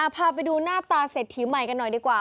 พาไปดูหน้าตาเศรษฐีใหม่กันหน่อยดีกว่า